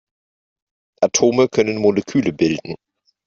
Atome können Moleküle bilden.